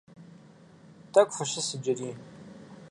Тӏэкӏу фыщыс иджыри.